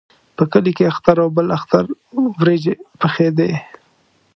په کلي کې اختر او بل اختر وریجې پخېدې.